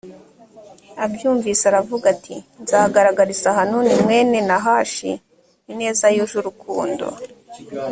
abyumvise aravuga ati nzagaragariza hanuni mwene nahashi ineza yuje urukundo